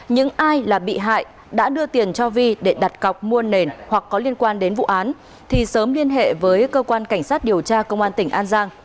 những ai là bị hại đã đưa tiền cho vi để đặt cọc mua nền hoặc có liên quan đến vụ án thì sớm liên hệ với cơ quan cảnh sát điều tra công an tỉnh an giang